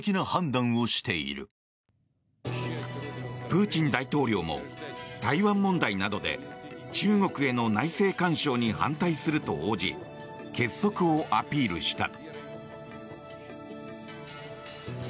プーチン大統領も台湾問題などで中国への内政干渉に反対すると応じ結束をアピールした。